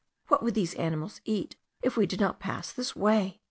"What would these animals eat, if we did not pass this way?"